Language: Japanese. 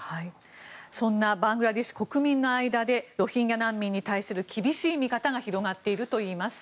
そんなバングラデシュ国民の間でロヒンギャ難民に対する厳しい見方が広がっているといいます。